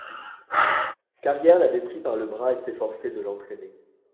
Carrier l'avait pris par le bras et s'efforçait de l'entraîner.